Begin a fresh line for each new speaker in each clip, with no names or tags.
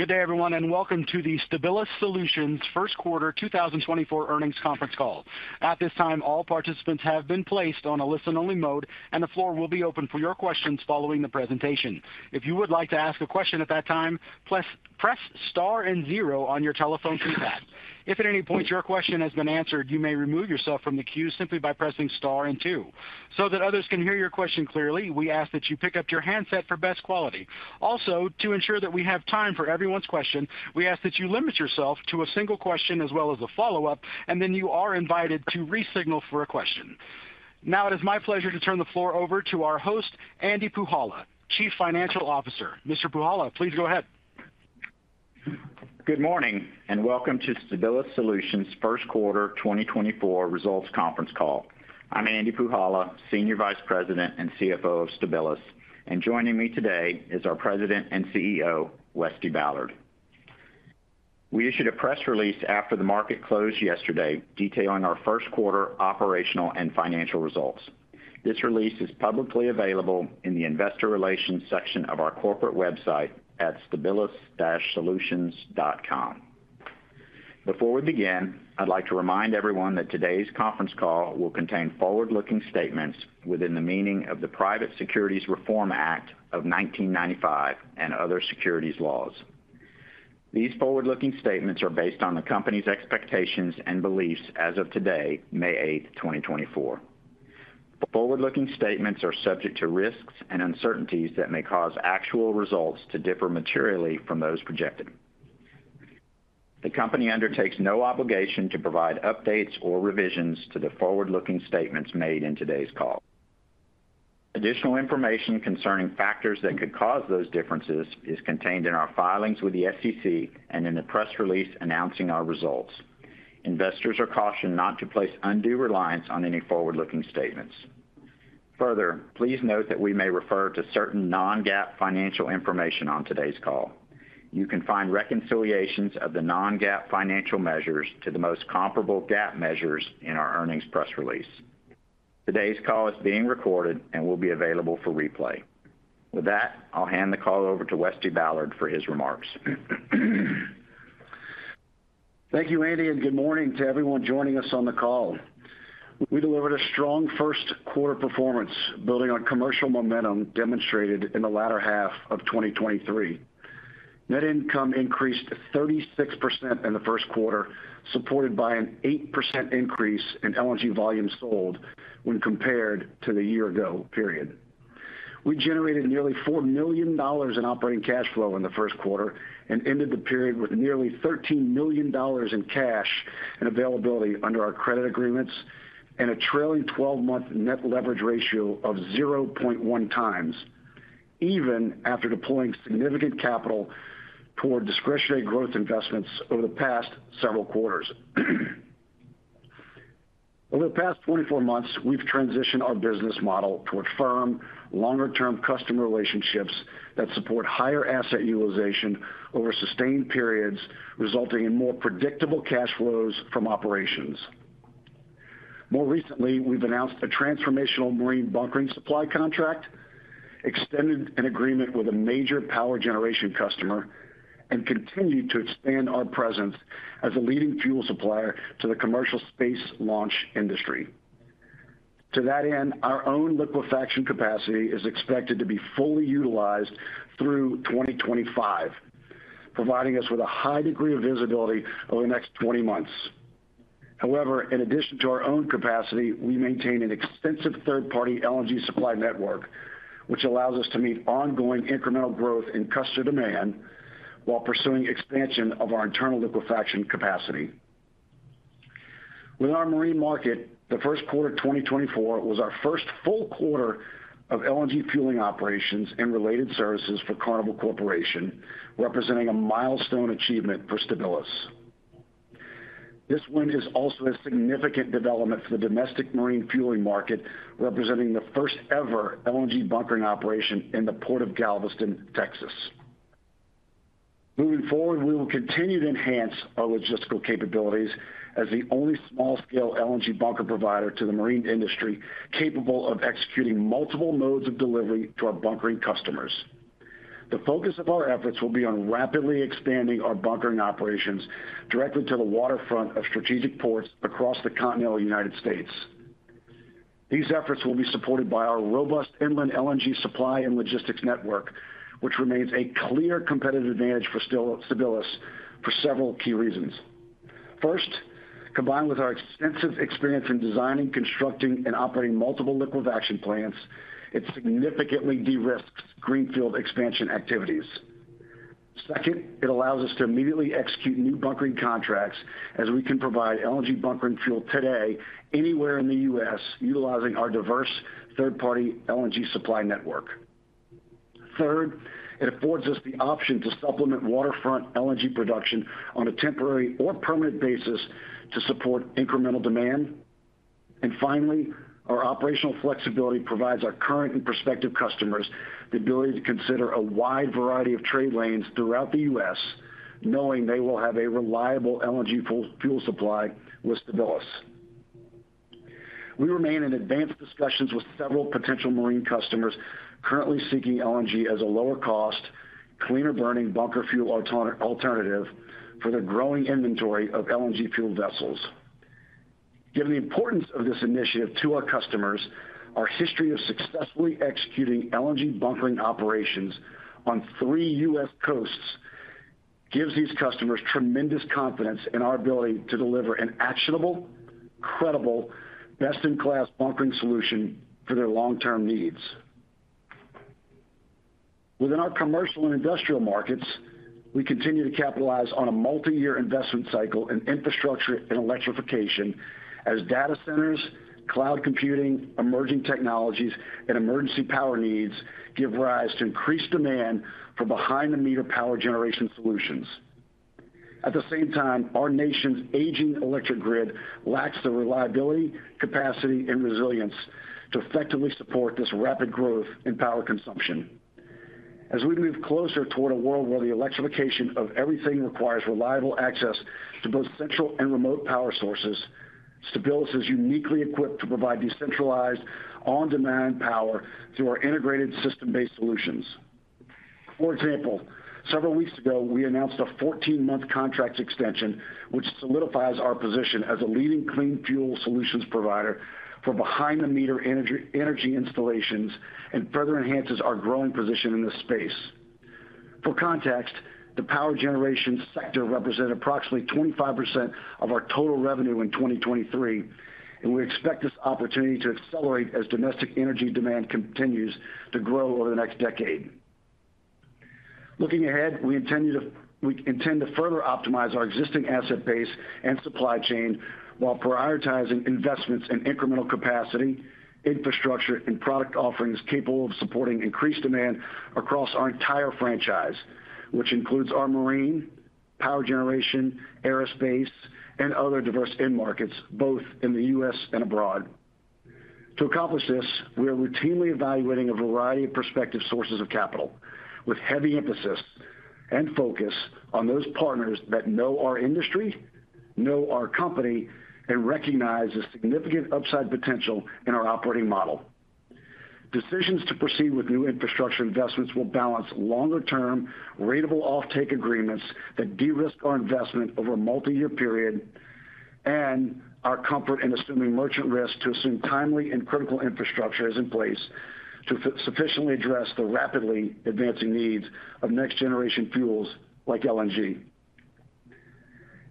Good day, everyone, and welcome to the Stabilis Solutions First Quarter 2024 Earnings Conference Call. At this time, all participants have been placed on a listen-only mode, and the floor will be open for your questions following the presentation. If you would like to ask a question at that time, press star and zero on your telephone keypad. If at any point your question has been answered, you may remove yourself from the queue simply by pressing star and two. So that others can hear your question clearly, we ask that you pick up your handset for best quality. Also, to ensure that we have time for everyone's question, we ask that you limit yourself to a single question as well as a follow-up, and then you are invited to re-signal for a question. Now it is my pleasure to turn the floor over to our host, Andy Puhala, Chief Financial Officer. Mr. Puhala, please go ahead.
Good morning and welcome to Stabilis Solutions first quarter 2024 results conference call. I'm Andy Puhala, Senior Vice President and CFO of Stabilis, and joining me today is our President and CEO, Westy Ballard. We issued a press release after the market closed yesterday detailing our first quarter operational and financial results. This release is publicly available in the investor relations section of our corporate website at stabilis-solutions.com. Before we begin, I'd like to remind everyone that today's conference call will contain forward-looking statements within the meaning of the Private Securities Reform Act of 1995 and other securities laws. These forward-looking statements are based on the company's expectations and beliefs as of today, May 8th, 2024. Forward-looking statements are subject to risks and uncertainties that may cause actual results to differ materially from those projected. The company undertakes no obligation to provide updates or revisions to the forward-looking statements made in today's call. Additional information concerning factors that could cause those differences is contained in our filings with the SEC and in the press release announcing our results. Investors are cautioned not to place undue reliance on any forward-looking statements. Further, please note that we may refer to certain non-GAAP financial information on today's call. You can find reconciliations of the non-GAAP financial measures to the most comparable GAAP measures in our earnings press release. Today's call is being recorded and will be available for replay. With that, I'll hand the call over to Westy Ballard for his remarks.
Thank you, Andy, and good morning to everyone joining us on the call. We delivered a strong first quarter performance building on commercial momentum demonstrated in the latter half of 2023. Net income increased 36% in the first quarter, supported by an 8% increase in LNG volume sold when compared to the year ago. We generated nearly $4 million in operating cash flow in the first quarter and ended the period with nearly $13 million in cash and availability under our credit agreements and a trailing 12-month net leverage ratio of 0.1x, even after deploying significant capital toward discretionary growth investments over the past several quarters. Over the past 24 months, we've transitioned our business model toward firm, longer-term customer relationships that support higher asset utilization over sustained periods, resulting in more predictable cash flows from operations. More recently, we've announced a transformational marine bunkering supply contract, extended an agreement with a major power generation customer, and continued to expand our presence as a leading fuel supplier to the commercial space launch industry. To that end, our own liquefaction capacity is expected to be fully utilized through 2025, providing us with a high degree of visibility over the next 20 months. However, in addition to our own capacity, we maintain an extensive third-party LNG supply network, which allows us to meet ongoing incremental growth in customer demand while pursuing expansion of our internal liquefaction capacity. With our marine market, the first quarter 2024 was our first full quarter of LNG fueling operations and related services for Carnival Corporation, representing a milestone achievement for Stabilis. This one is also a significant development for the domestic marine fueling market, representing the first-ever LNG bunkering operation in the Port of Galveston, Texas. Moving forward, we will continue to enhance our logistical capabilities as the only small-scale LNG bunker provider to the marine industry capable of executing multiple modes of delivery to our bunkering customers. The focus of our efforts will be on rapidly expanding our bunkering operations directly to the waterfront of strategic ports across the continental United States. These efforts will be supported by our robust inland LNG supply and logistics network, which remains a clear competitive advantage for Stabilis for several key reasons. First, combined with our extensive experience in designing, constructing, and operating multiple liquefaction plants, it significantly de-risks greenfield expansion activities. Second, it allows us to immediately execute new bunkering contracts as we can provide LNG bunkering fuel today anywhere in the U.S. utilizing our diverse third-party LNG supply network. Third, it affords us the option to supplement waterfront LNG production on a temporary or permanent basis to support incremental demand. And finally, our operational flexibility provides our current and prospective customers the ability to consider a wide variety of trade lanes throughout the U.S., knowing they will have a reliable LNG fuel supply with Stabilis. We remain in advanced discussions with several potential marine customers currently seeking LNG as a lower-cost, cleaner-burning bunker fuel alternative for the growing inventory of LNG fuel vessels. Given the importance of this initiative to our customers, our history of successfully executing LNG bunkering operations on three U.S. coasts gives these customers tremendous confidence in our ability to deliver an actionable, credible, best-in-class bunkering solution for their long-term needs. Within our commercial and industrial markets, we continue to capitalize on a multi-year investment cycle in infrastructure and electrification as data centers, cloud computing, emerging technologies, and emergency power needs give rise to increased demand for behind-the-meter power generation solutions. At the same time, our nation's aging electric grid lacks the reliability, capacity, and resilience to effectively support this rapid growth in power consumption. As we move closer toward a world where the electrification of everything requires reliable access to both central and remote power sources, Stabilis is uniquely equipped to provide decentralized, on-demand power through our integrated system-based solutions. For example, several weeks ago, we announced a 14-month contract extension, which solidifies our position as a leading clean fuel solutions provider for behind-the-meter energy installations and further enhances our growing position in this space. For context, the power generation sector represented approximately 25% of our total revenue in 2023, and we expect this opportunity to accelerate as domestic energy demand continues to grow over the next decade. Looking ahead, we intend to further optimize our existing asset base and supply chain while prioritizing investments in incremental capacity, infrastructure, and product offerings capable of supporting increased demand across our entire franchise, which includes our marine, power generation, aerospace, and other diverse end markets, both in the U.S. and abroad. To accomplish this, we are routinely evaluating a variety of prospective sources of capital, with heavy emphasis and focus on those partners that know our industry, know our company, and recognize the significant upside potential in our operating model. Decisions to proceed with new infrastructure investments will balance longer-term, ratable offtake agreements that de-risk our investment over a multi-year period, and our comfort in assuming merchant risk to assume timely and critical infrastructure is in place to sufficiently address the rapidly advancing needs of next-generation fuels like LNG.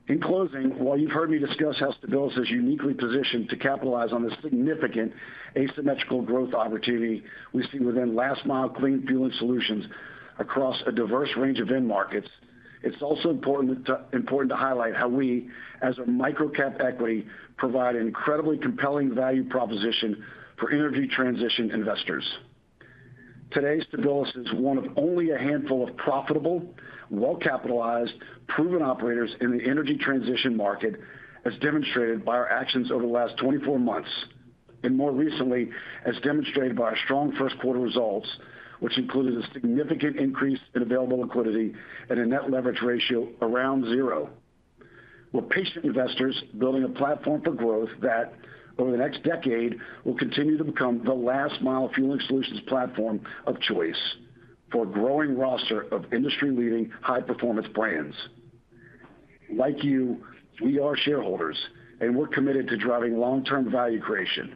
In closing, while you've heard me discuss how Stabilis is uniquely positioned to capitalize on the significant asymmetrical growth opportunity we see within last-mile clean fueling solutions across a diverse range of end markets, it's also important to highlight how we, as a micro-cap equity, provide an incredibly compelling value proposition for energy transition investors. Today, Stabilis is one of only a handful of profitable, well-capitalized, proven operators in the energy transition market, as demonstrated by our actions over the last 24 months, and more recently, as demonstrated by our strong first quarter results, which included a significant increase in available liquidity and a net leverage ratio around 0. We're patient investors building a platform for growth that, over the next decade, will continue to become the last-mile fueling solutions platform of choice for a growing roster of industry-leading, high-performance brands. Like you, we are shareholders, and we're committed to driving long-term value creation.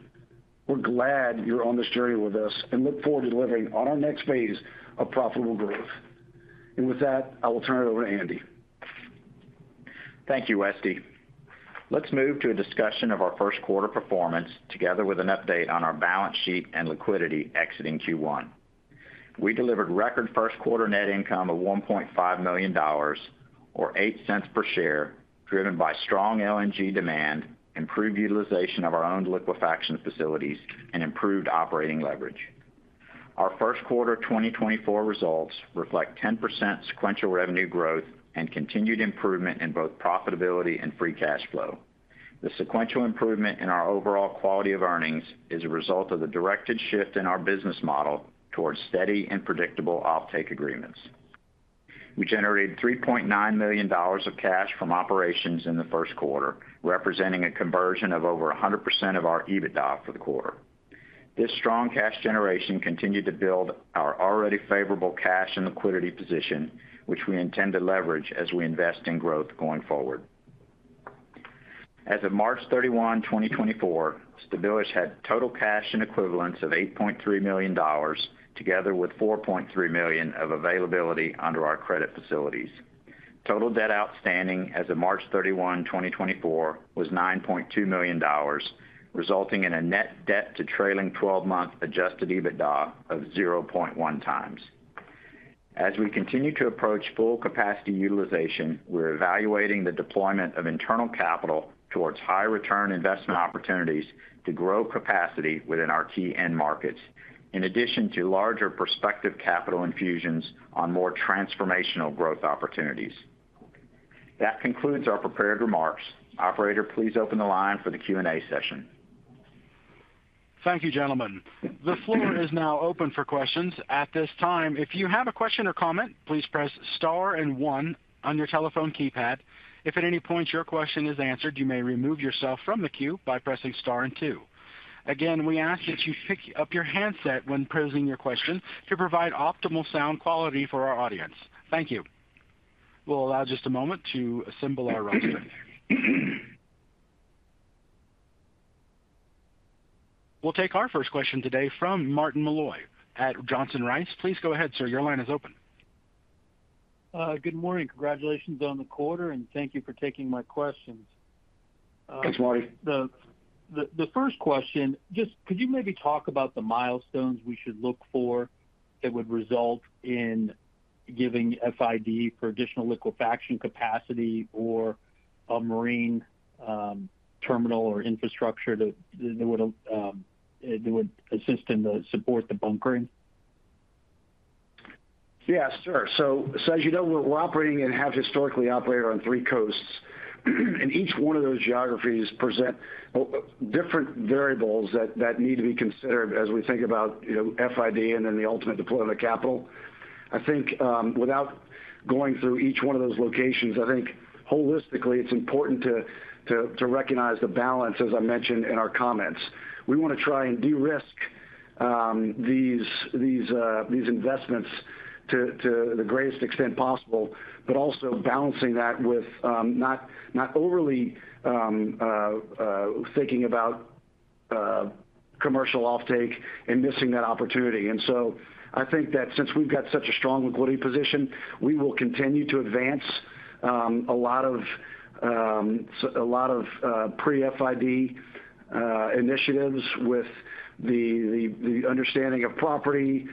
We're glad you're on this journey with us and look forward to delivering on our next phase of profitable growth. With that, I will turn it over to Andy.
Thank you, Westy. Let's move to a discussion of our first quarter performance together with an update on our balance sheet and liquidity exiting Q1. We delivered record first quarter net income of $1.5 million, or $0.08 per share, driven by strong LNG demand, improved utilization of our owned liquefaction facilities, and improved operating leverage. Our first quarter 2024 results reflect 10% sequential revenue growth and continued improvement in both profitability and free cash flow. The sequential improvement in our overall quality of earnings is a result of the directed shift in our business model towards steady and predictable offtake agreements. We generated $3.9 million of cash from operations in the first quarter, representing a conversion of over 100% of our EBITDA for the quarter. This strong cash generation continued to build our already favorable cash and liquidity position, which we intend to leverage as we invest in growth going forward. As of March 31, 2024, Stabilis had total cash and equivalents of $8.3 million together with $4.3 million of availability under our credit facilities. Total debt outstanding as of March 31, 2024, was $9.2 million, resulting in a net debt-to-trailing 12-month adjusted EBITDA of 0.1x. As we continue to approach full capacity utilization, we're evaluating the deployment of internal capital towards high-return investment opportunities to grow capacity within our key end markets, in addition to larger prospective capital infusions on more transformational growth opportunities. That concludes our prepared remarks. Operator, please open the line for the Q&A session.
Thank you, gentlemen. The floor is now open for questions. At this time, if you have a question or comment, please press star and one on your telephone keypad. If at any point your question is answered, you may remove yourself from the queue by pressing star and two. Again, we ask that you pick up your handset when posing your question to provide optimal sound quality for our audience. Thank you. We'll allow just a moment to assemble our roster. We'll take our first question today from Martin Malloy at Johnson Rice. Please go ahead, sir. Your line is open.
Good morning. Congratulations on the quarter, and thank you for taking my questions.
Thanks, Marty.
The first question, could you maybe talk about the milestones we should look for that would result in giving FID for additional liquefaction capacity or a marine terminal or infrastructure that would assist in supporting the bunkering?
Yeah, sure. So, as you know, we're operating and have historically operated on three coasts, and each one of those geographies presents different variables that need to be considered as we think about FID and then the ultimate deployment of capital. I think without going through each one of those locations, I think holistically, it's important to recognize the balance, as I mentioned in our comments. We want to try and de-risk these investments to the greatest extent possible, but also balancing that with not overly thinking about commercial offtake and missing that opportunity. And so I think that since we've got such a strong liquidity position, we will continue to advance a lot of pre-FID initiatives with the understanding of property,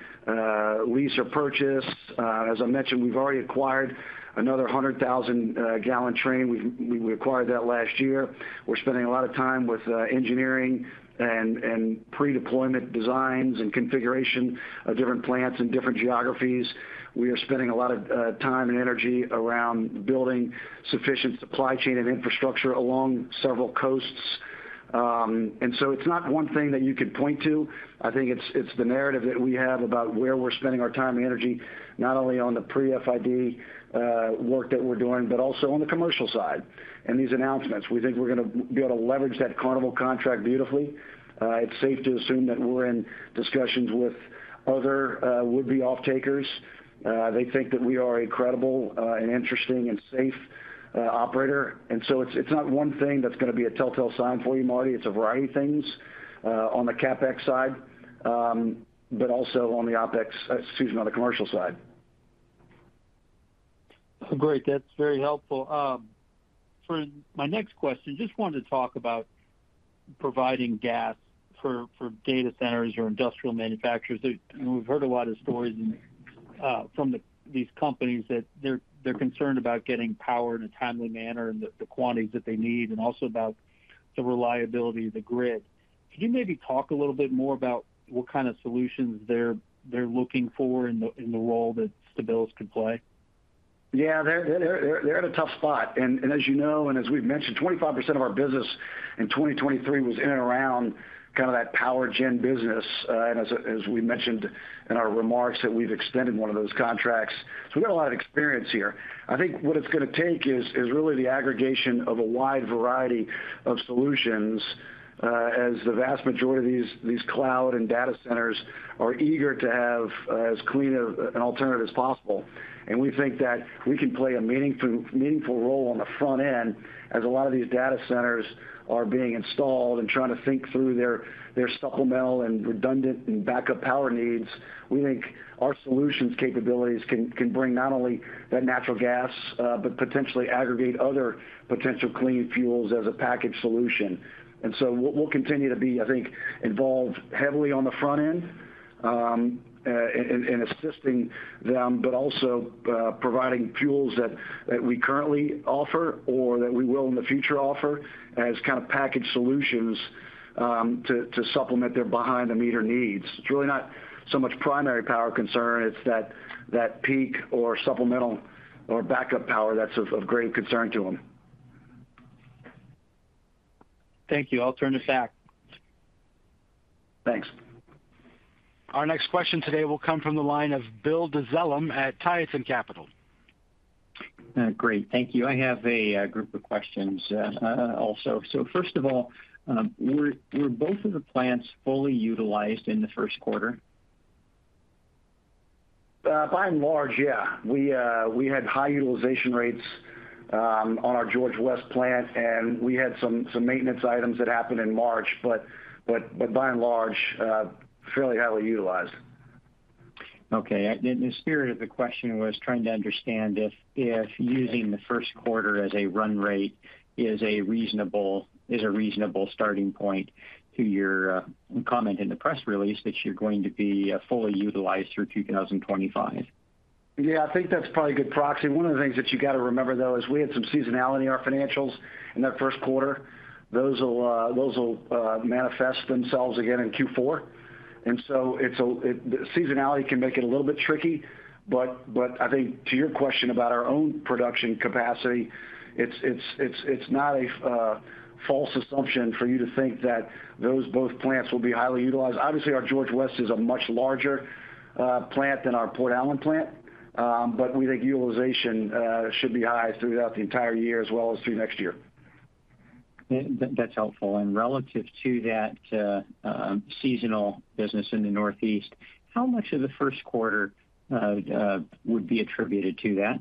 lease or purchase. As I mentioned, we've already acquired another 100,000-gallon train. We acquired that last year. We're spending a lot of time with engineering and pre-deployment designs and configuration of different plants in different geographies. We are spending a lot of time and energy around building sufficient supply chain and infrastructure along several coasts. And so it's not one thing that you could point to. I think it's the narrative that we have about where we're spending our time and energy, not only on the pre-FID work that we're doing, but also on the commercial side and these announcements. We think we're going to be able to leverage that Carnival contract beautifully. It's safe to assume that we're in discussions with other would-be offtakers. They think that we are a credible and interesting and safe operator. And so it's not one thing that's going to be a telltale sign for you, Marty. It's a variety of things on the CapEx side, but also on the OpEx, excuse me, on the commercial side.
Great. That's very helpful. For my next question, just wanted to talk about providing gas for data centers or industrial manufacturers. We've heard a lot of stories from these companies that they're concerned about getting power in a timely manner and the quantities that they need, and also about the reliability of the grid. Could you maybe talk a little bit more about what kind of solutions they're looking for in the role that Stabilis could play?
Yeah, they're at a tough spot. And as you know and as we've mentioned, 25% of our business in 2023 was in and around kind of that power gen business. And as we mentioned in our remarks, that we've extended one of those contracts. So we've got a lot of experience here. I think what it's going to take is really the aggregation of a wide variety of solutions as the vast majority of these cloud and data centers are eager to have as clean an alternative as possible. And we think that we can play a meaningful role on the front end as a lot of these data centers are being installed and trying to think through their supplemental and redundant and backup power needs. We think our solutions capabilities can bring not only that natural gas, but potentially aggregate other potential clean fuels as a package solution. And so we'll continue to be, I think, involved heavily on the front end in assisting them, but also providing fuels that we currently offer or that we will in the future offer as kind of package solutions to supplement their behind-the-meter needs. It's really not so much primary power concern. It's that peak or supplemental or backup power that's of great concern to them.
Thank you. I'll turn this back.
Thanks.
Our next question today will come from the line of Bill Dezellem at Tieton Capital.
Great. Thank you. I have a group of questions also. So first of all, were both of the plants fully utilized in the first quarter?
By and large, yeah. We had high utilization rates on our George West plant, and we had some maintenance items that happened in March, but by and large, fairly highly utilized.
Okay. In the spirit of the question, I was trying to understand if using the first quarter as a run rate is a reasonable starting point to your comment in the press release that you're going to be fully utilized through 2025.
Yeah, I think that's probably a good proxy. One of the things that you got to remember, though, is we had some seasonality in our financials in that first quarter. Those will manifest themselves again in Q4. And so seasonality can make it a little bit tricky. But I think to your question about our own production capacity, it's not a false assumption for you to think that those both plants will be highly utilized. Obviously, our George West is a much larger plant than our Port Allen plant, but we think utilization should be high throughout the entire year as well as through next year.
That's helpful. And relative to that seasonal business in the Northeast, how much of the first quarter would be attributed to that?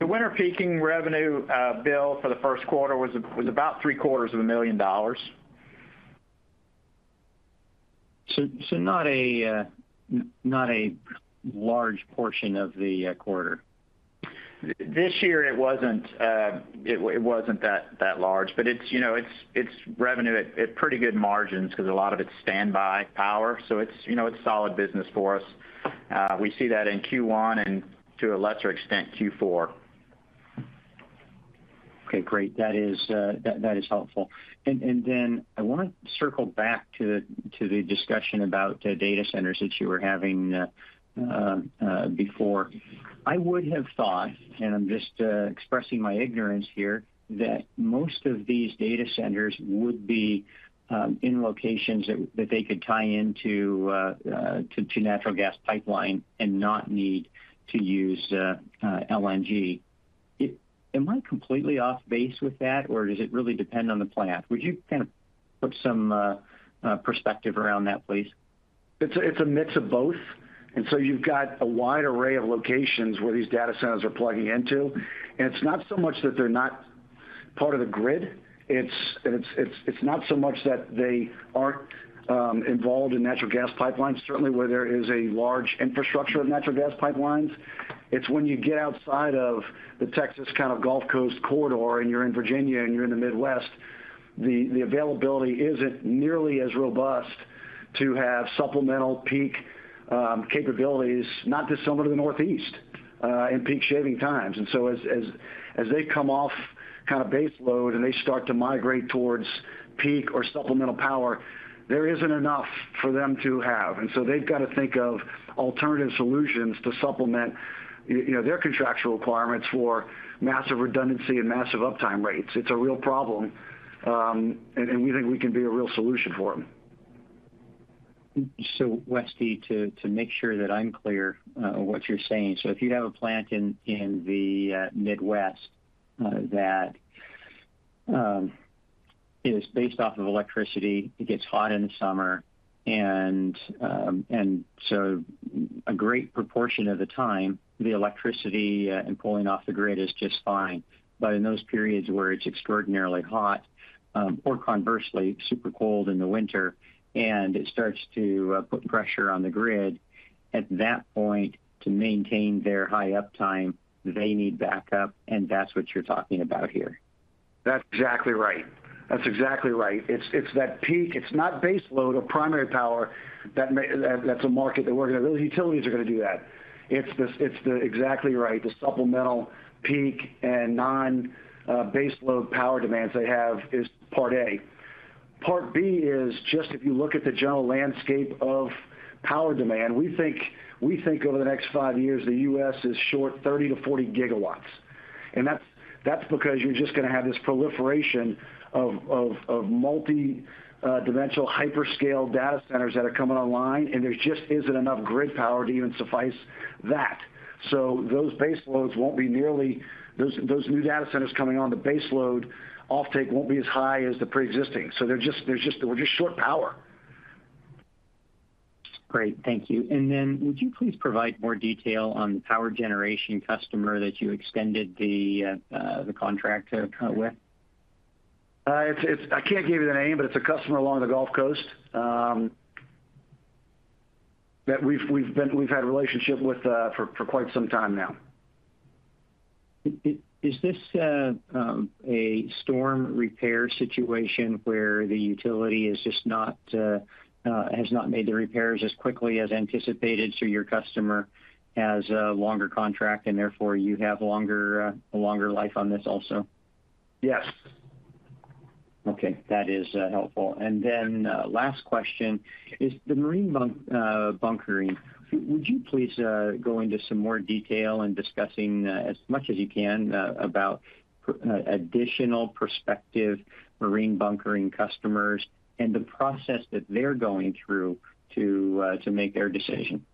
The winter peaking revenue bill for the first quarter was about $750,000.
Not a large portion of the quarter.
This year, it wasn't that large, but it's revenue at pretty good margins because a lot of it's standby power. So it's solid business for us. We see that in Q1 and to a lesser extent, Q4.
Okay, great. That is helpful. And then I want to circle back to the discussion about data centers that you were having before. I would have thought, and I'm just expressing my ignorance here, that most of these data centers would be in locations that they could tie into a natural gas pipeline and not need to use LNG. Am I completely off base with that, or does it really depend on the plant? Would you kind of put some perspective around that, please?
It's a mix of both. And so you've got a wide array of locations where these data centers are plugging into. And it's not so much that they're not part of the grid. It's not so much that they aren't involved in natural gas pipelines, certainly where there is a large infrastructure of natural gas pipelines. It's when you get outside of the Texas kind of Gulf Coast corridor and you're in Virginia and you're in the Midwest, the availability isn't nearly as robust to have supplemental peak capabilities, not dissimilar to the Northeast in peak shaving times. And so as they come off kind of baseload and they start to migrate towards peak or supplemental power, there isn't enough for them to have. And so they've got to think of alternative solutions to supplement their contractual requirements for massive redundancy and massive uptime rates. It's a real problem, and we think we can be a real solution for them.
So, Westy, to make sure that I'm clear on what you're saying, so if you have a plant in the Midwest that is based off of electricity, it gets hot in the summer, and so a great proportion of the time, the electricity and pulling off the grid is just fine. But in those periods where it's extraordinarily hot or conversely, super cold in the winter, and it starts to put pressure on the grid, at that point, to maintain their high uptime, they need backup, and that's what you're talking about here.
That's exactly right. That's exactly right. It's that peak. It's not baseload of primary power that's a market that we're going to those utilities are going to do that. It's exactly right. The supplemental peak and non-baseload power demands they have is part A. Part B is just if you look at the general landscape of power demand, we think over the next five years, the U.S. is short 30GW to 40GW. And that's because you're just going to have this proliferation of multi-dimensional hyperscale data centers that are coming online, and there just isn't enough grid power to even suffice that. So those baseloads won't be nearly those new data centers coming on, the baseload offtake won't be as high as the pre-existing. So we're just short power.
Great. Thank you. And then would you please provide more detail on the power generation customer that you extended the contract with?
I can't give you the name, but it's a customer along the Gulf Coast that we've had a relationship with for quite some time now.
Is this a storm repair situation where the utility has not made the repairs as quickly as anticipated, so your customer has a longer contract, and therefore, you have a longer life on this also?
Yes.
Okay. That is helpful. And then last question is the marine bunkering. Would you please go into some more detail in discussing, as much as you can, about additional prospective marine bunkering customers and the process that they're going through to make their decision?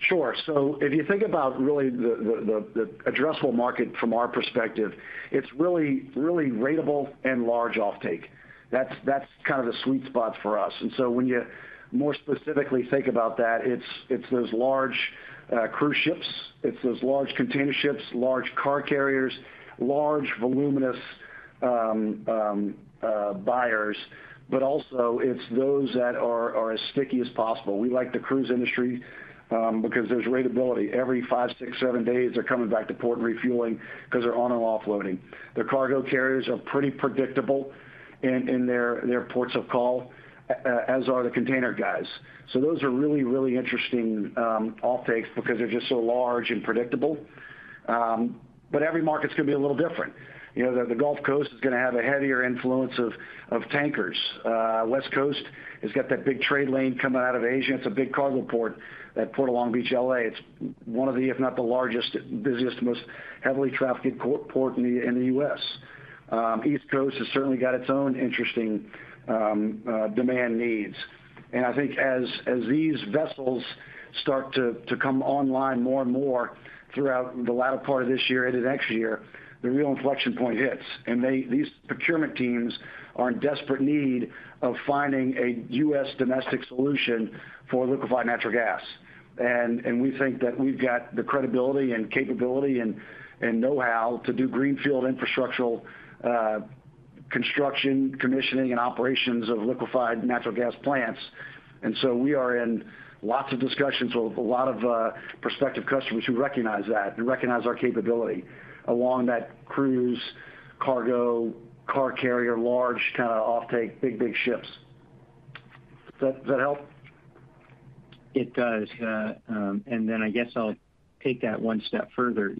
Sure. So if you think about really the addressable market from our perspective, it's really ratable and large offtake. That's kind of the sweet spot for us. And so when you more specifically think about that, it's those large cruise ships. It's those large container ships, large car carriers, large voluminous buyers, but also it's those that are as sticky as possible. We like the cruise industry because there's ratability. Every five, six, seven days, they're coming back to port and refueling because they're on and offloading. The cargo carriers are pretty predictable in their ports of call, as are the container guys. So those are really, really interesting offtakes because they're just so large and predictable. But every market's going to be a little different. The Gulf Coast is going to have a heavier influence of tankers. West Coast has got that big trade lane coming out of Asia. It's a big cargo port at Port of Long Beach, L.A. It's one of the, if not the largest, busiest, most heavily trafficked port in the U.S. East Coast has certainly got its own interesting demand needs. And I think as these vessels start to come online more and more throughout the latter part of this year into next year, the real inflection point hits. And these procurement teams are in desperate need of finding a U.S. domestic solution for liquefied natural gas. And we think that we've got the credibility and capability and know-how to do greenfield infrastructural construction, commissioning, and operations of liquefied natural gas plants. And so we are in lots of discussions with a lot of prospective customers who recognize that and recognize our capability along that cruise, cargo, car carrier, large kind of offtake, big, big ships. Does that help?
It does. And then I guess I'll take that one step further.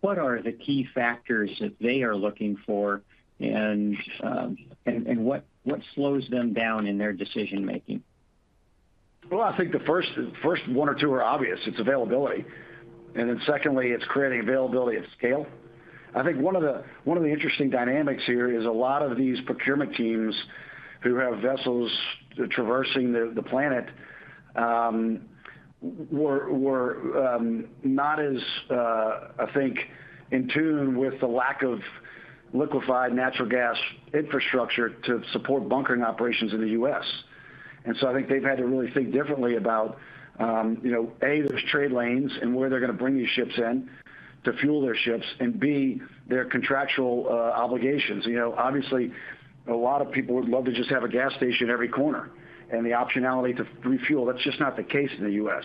What are the key factors that they are looking for, and what slows them down in their decision-making?
Well, I think the first one or two are obvious. It's availability. And then secondly, it's creating availability of scale. I think one of the interesting dynamics here is a lot of these procurement teams who have vessels traversing the planet were not as, I think, in tune with the lack of liquefied natural gas infrastructure to support bunkering operations in the U.S. And so I think they've had to really think differently about, A, there's trade lanes and where they're going to bring these ships in to fuel their ships, and B, their contractual obligations. Obviously, a lot of people would love to just have a gas station every corner and the optionality to refuel. That's just not the case in the U.S.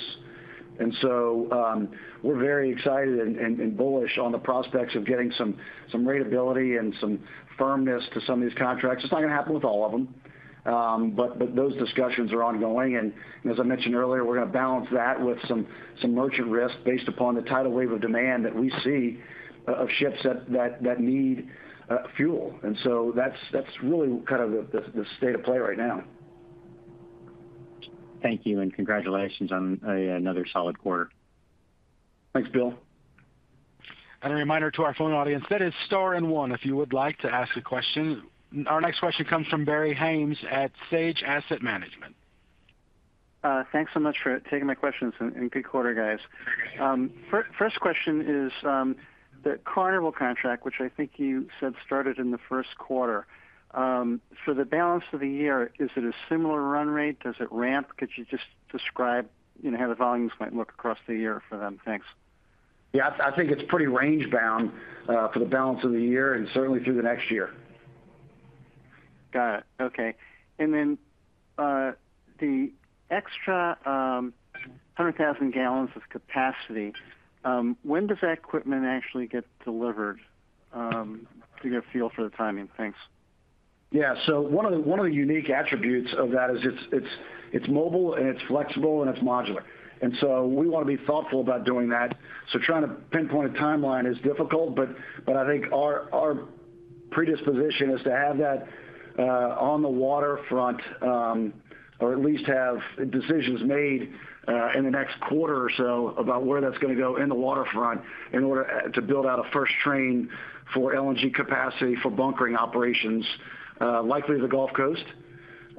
And so we're very excited and bullish on the prospects of getting some rateability and some firmness to some of these contracts. It's not going to happen with all of them, but those discussions are ongoing. As I mentioned earlier, we're going to balance that with some merchant risk based upon the tidal wave of demand that we see of ships that need fuel. So that's really kind of the state of play right now.
Thank you and congratulations on another solid quarter.
Thanks, Bill.
A reminder to our phone audience, that is star and one if you would like to ask a question. Our next question comes from Barry Haimes at Sage Asset Management.
Thanks so much for taking my questions. Good quarter, guys. First question is the Carnival contract, which I think you said started in the first quarter. For the balance of the year, is it a similar run rate? Does it ramp? Could you just describe how the volumes might look across the year for them? Thanks.
Yeah, I think it's pretty range-bound for the balance of the year and certainly through the next year.
Got it. Okay. And then the extra 100,000 gallons of capacity, when does that equipment actually get delivered? Do you have a feel for the timing? Thanks.
Yeah. So one of the unique attributes of that is it's mobile and it's flexible and it's modular. And so we want to be thoughtful about doing that. So trying to pinpoint a timeline is difficult, but I think our predisposition is to have that on the waterfront or at least have decisions made in the next quarter or so about where that's going to go in the waterfront in order to build out a first train for LNG capacity for bunkering operations, likely the Gulf Coast.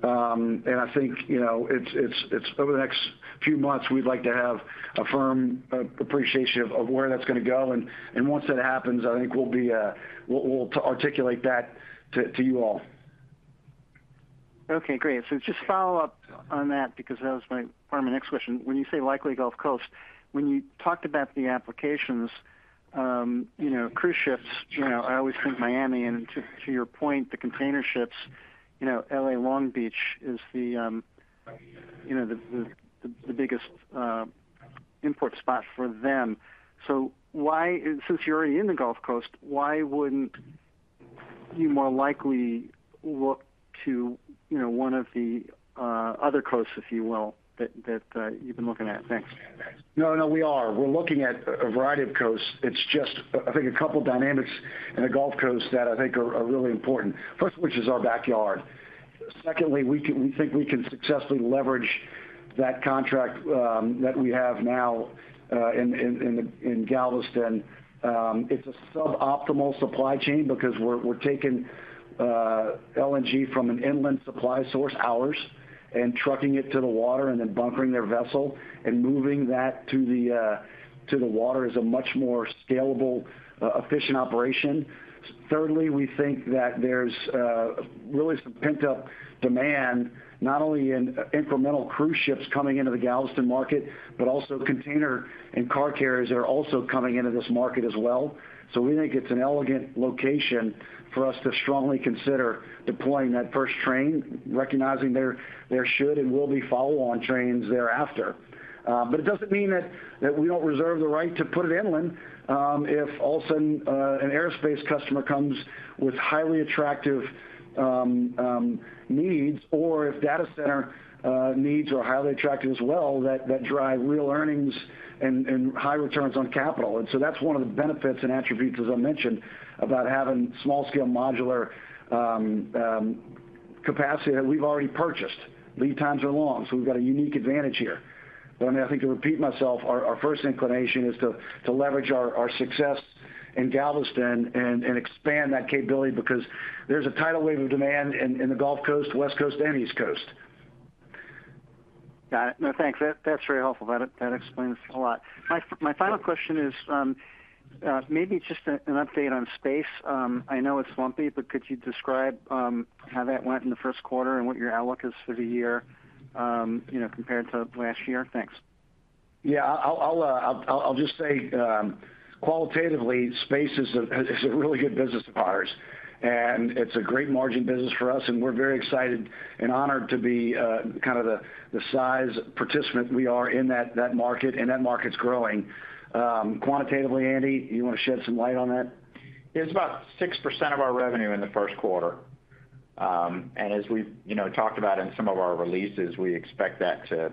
And I think over the next few months, we'd like to have a firm appreciation of where that's going to go. And once that happens, I think we'll articulate that to you all.
Okay, great. So just follow up on that because that was part of my next question. When you say likely Gulf Coast, when you talked about the applications, cruise ships, I always think Miami, and to your point, the container ships, L.A. Long Beach is the biggest import spot for them. So since you're already in the Gulf Coast, why wouldn't you more likely look to one of the other coasts, if you will, that you've been looking at? Thanks.
No, no, we are. We're looking at a variety of coasts. It's just, I think, a couple of dynamics in the Gulf Coast that I think are really important, first of which is our backyard. Secondly, we think we can successfully leverage that contract that we have now in Galveston. It's a suboptimal supply chain because we're taking LNG from an inland supply source, ours, and trucking it to the water and then bunkering their vessel and moving that to the water is a much more scalable, efficient operation. Thirdly, we think that there's really some pent-up demand, not only in incremental cruise ships coming into the Galveston market, but also container and car carriers that are also coming into this market as well. So we think it's an elegant location for us to strongly consider deploying that first train, recognizing there should and will be follow-on trains thereafter. But it doesn't mean that we don't reserve the right to put it inland if all of a sudden an aerospace customer comes with highly attractive needs or if data center needs are highly attractive as well that drive real earnings and high returns on capital. And so that's one of the benefits and attributes, as I mentioned, about having small-scale, modular capacity that we've already purchased. Lead times are long, so we've got a unique advantage here. But I mean, I think to repeat myself, our first inclination is to leverage our success in Galveston and expand that capability because there's a tidal wave of demand in the Gulf Coast, West Coast, and East Coast.
Got it. No, thanks. That's very helpful. That explains a lot. My final question is maybe just an update on space. I know it's slumpy, but could you describe how that went in the first quarter and what your outlook is for the year compared to last year? Thanks.
Yeah. I'll just say qualitatively, space is a really good business of ours, and it's a great margin business for us. And we're very excited and honored to be kind of the size participant we are in that market, and that market's growing. Quantitatively, Andy, do you want to shed some light on that?
It's about 6% of our revenue in the first quarter. And as we've talked about in some of our releases, we expect that to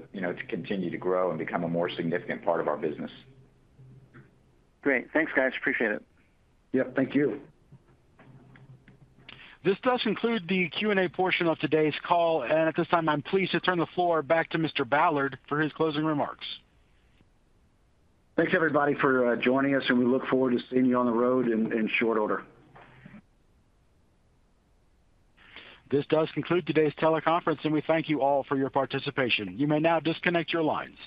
continue to grow and become a more significant part of our business.
Great. Thanks, guys. Appreciate it.
Yep. Thank you.
This does conclude the Q&A portion of today's call. At this time, I'm pleased to turn the floor back to Mr. Ballard for his closing remarks.
Thanks, everybody, for joining us, and we look forward to seeing you on the road in short order.
This does conclude today's teleconference, and we thank you all for your participation. You may now disconnect your lines.